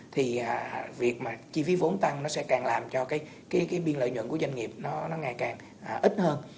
thì việc mà chi phí vốn tăng nó sẽ càng làm cho cái biên lợi nhuận của doanh nghiệp nó ngày càng ít hơn